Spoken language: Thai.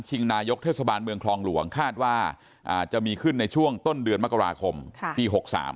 นายกเทศบาลเมืองคลองหลวงคาดว่าจะมีขึ้นในช่วงต้นเดือนมกราคมปี๖๓